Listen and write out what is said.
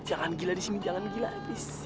jangan gila disini jangan gila please